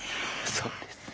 そうですね。